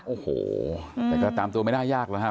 โอ้โหแต่ก็ตามตัวไม่น่ายากเลยครับ